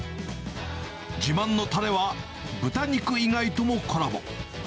自慢のたれは、豚肉以外ともコラボ。